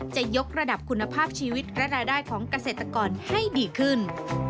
จะยกระดับคุณภาพชีวิตและรายได้ของเกษตรกรให้ดีขึ้น